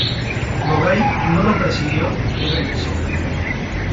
Nogai no lo persiguió y regresó.